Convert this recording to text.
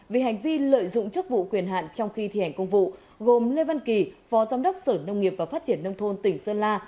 vì hành vi lợi dụng chức vụ quyền hạn trong khi thi hành công vụ gồm lê văn kỳ phó giám đốc sở nông nghiệp và phát triển nông thôn tỉnh sơn la